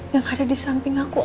yang ada di samping aku